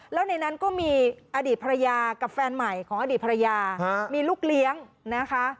แล้วในนั้นก็มีอดีตภรรยากับแฟนใหม่ของอดีตภรรยามีลูกเลี้ยงนะคะ